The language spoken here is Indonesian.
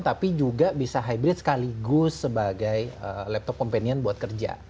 tapi juga bisa hybrid sekaligus sebagai laptop companion buat kerja